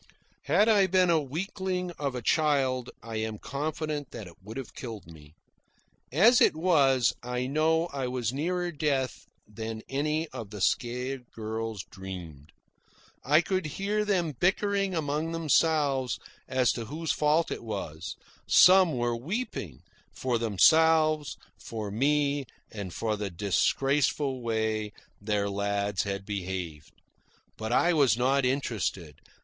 Had I been a weakling of a child, I am confident that it would have killed me. As it was, I know I was nearer death than any of the scared girls dreamed. I could hear them bickering among themselves as to whose fault it was; some were weeping for themselves, for me, and for the disgraceful way their lads had behaved. But I was not interested.